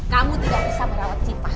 kamu tidak bisa merawat cipa